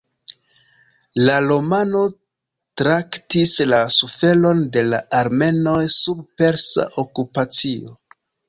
La romano traktis la suferon de la armenoj sub persa okupacio.